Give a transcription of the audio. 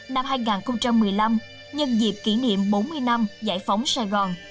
năm hai nghìn một mươi năm nhân dịp kỷ niệm bốn mươi năm giải phóng sài gòn